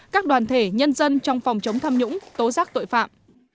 các đoàn thể nhân dân trong phòng chống tham nhũng tố giác tội phạm